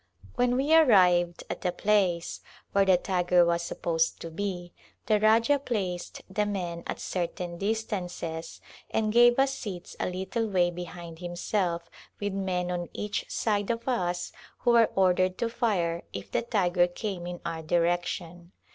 When we arrived at the place where the tiger was supposed to be the Rajah placed the men at certain distances and gave us seats a little way behind himself with men A Glimpse of India on each side of us who were ordered to fire if the tiger came in our direction.